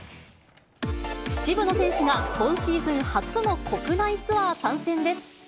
渋野選手が今シーズン初の国内ツアー参戦です。